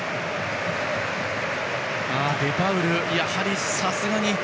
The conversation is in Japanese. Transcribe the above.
デパウル、やはりさすがに。